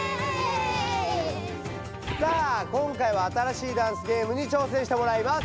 さあ今回はあたらしいダンスゲームに挑戦してもらいます。